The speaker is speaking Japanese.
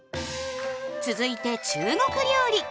続いて中国料理。